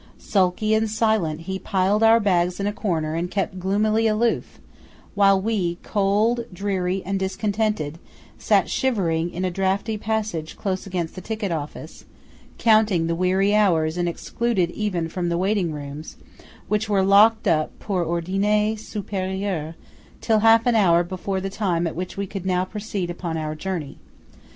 Sulky and silent, he piled our bags in a corner and kept gloomily aloof; while we, cold, dreary, and discontented, sat shivering in a draughty passage close against the ticket office, counting the weary hours and excluded even from the waiting rooms, which were locked up "per ordine superiore" till half an hour before the time at which we now could proceed upon our journey.